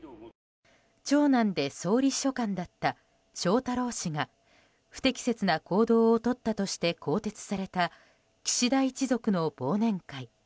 長男で総理秘書官だった翔太郎氏が不適切な行動をとったとして更迭された岸田一族の忘年会。